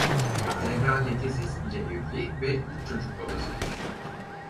Zehra Lekesiz ile evli ve üç çocuk babasıdır.